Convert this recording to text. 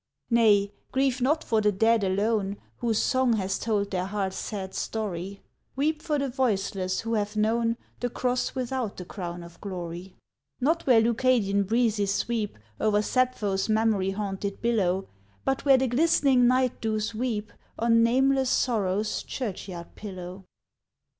Nay grieve not for the dead alone Whose song has told their hearts' sad story, Weep for the voiceless, who have known The cross without the crown of glory! Not where Leucadian breezes sweep O'er Sappho's memory haunted billow, But where the glistening night dews weep On nameless sorrow's churchyard pillow.